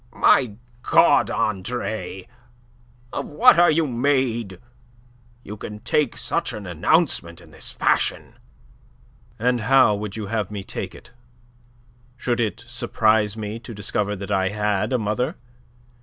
"My God, Andre, of what are you made? You can take such an announcement in this fashion?" "And how would you have me take it? Should it surprise me to discover that I had a mother?